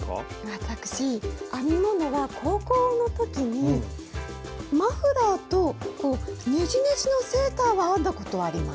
私編み物は高校の時にマフラーとこうねじねじのセーターは編んだことはあります。